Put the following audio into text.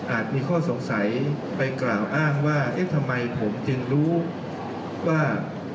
มีข้อสงสัยไปกล่าวอ้างว่าเอ๊ะทำไมผมจึงรู้ว่า